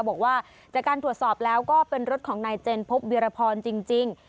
บอกว่าจากการตรวจสอบแล้วก็เป็นรถของนายเจนพบวิรพรจริง